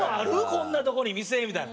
こんなとこに店」みたいな。